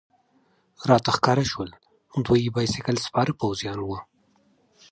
راته ښکاره شول، دوی بایسکل سپاره پوځیان و.